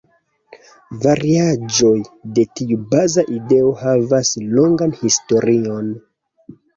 Variaĵoj de tiu baza ideo havas longan historion.